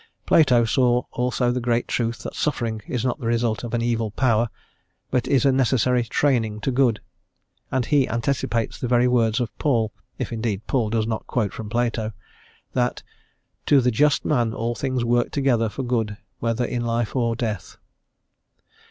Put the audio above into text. Plato saw also the great truth that suffering is not the result of an evil power, but is a necessary training to good, and he anticipates the very words of Paul if indeed Paul does not quote from Plato that "to the just man all things work together for good, whether in life or death."